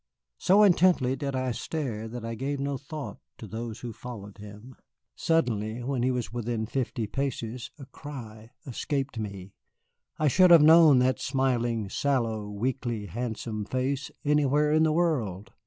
So intently did I stare that I gave no thought to those who followed him. Suddenly, when he was within fifty paces, a cry escaped me, I should have known that smiling, sallow, weakly handsome face anywhere in the world.